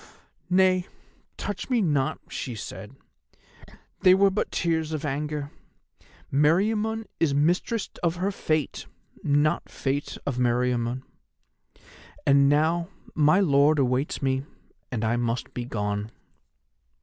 "'Nay, touch me not,' she said. 'They were but tears of anger. Meriamun is mistress of her Fate, not Fate of Meriamun. And now, my lord awaits me, and I must be gone.